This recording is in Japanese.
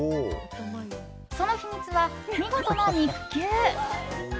その秘密は、見事な肉球。